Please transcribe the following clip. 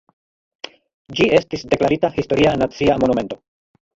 Ĝi estis deklarita Historia Nacia Monumento.